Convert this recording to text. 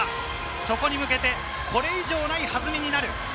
そこに向けて、これ以上ない弾みになる。